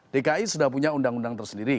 dki sudah punya undang undang tersendiri